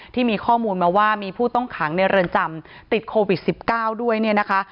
ที่มีข้อมูลมาว่ามีผู้ต้องขังในเรือนจำติดโควิด๑๙ด้วยเนี่ยนะคะ